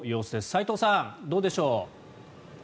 齋藤さん、どうでしょう。